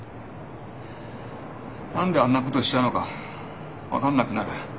何であんなことしたのか分かんなくなる。